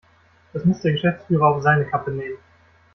Das muss der Geschäftsführer auf seine Kappe nehmen.